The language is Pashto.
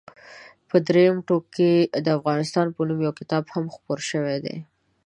په درېیم ټوک کې د افغانستان په نوم یو کتاب هم خپور شوی دی.